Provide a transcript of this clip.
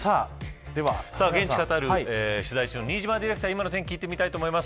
現地カタール取材中の新島ディレクターに聞いてみます。